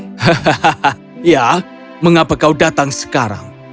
hahaha ya mengapa kau datang sekarang